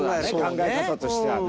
考え方としてはね。